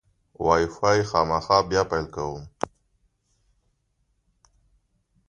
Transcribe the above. وای فای خامخا بیا پیل کوم.